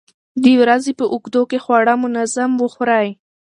د ورځې په اوږدو کې خواړه منظم وخورئ.